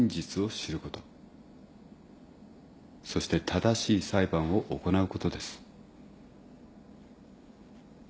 そして正しい裁判を行うことです。